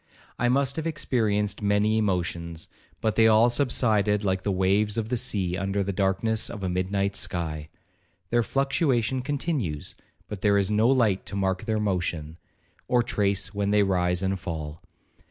I must have experienced many emotions, but they all subsided like the waves of the sea under the darkness of a midnight sky,—their fluctuation continues, but there is no light to mark their motion, or trace when they rise and fall.